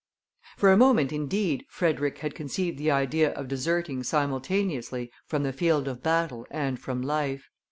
For a moment, indeed, Frederick had conceived the idea of deserting simultaneously from the field of battle and from life.